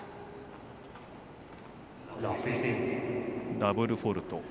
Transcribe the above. ダブルフォールト。